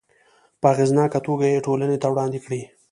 په اغیزناکه توګه یې ټولنې ته وړاندې کړي.